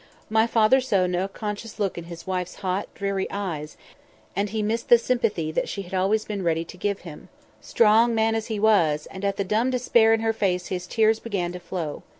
My father saw no conscious look in his wife's hot, dreary eyes, and he missed the sympathy that she had always been ready to give him—strong man as he was, and at the dumb despair in her face his tears began to flow.